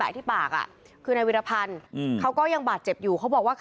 แล้วก็ได้คุยกับนายวิรพันธ์สามีของผู้ตายที่ว่าโดนกระสุนเฉียวริมฝีปากไปนะคะ